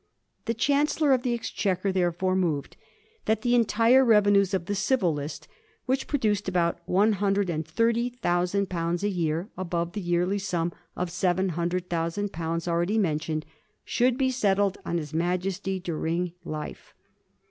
The Chancellor of the Exchequer therefore moved that the entire revenues of the Civil List, which produced about one hundred and thirty thousand pounds a year above the yearly sum of seven hundred thousand pounds already mentioned, should be settled on his Majesty during life.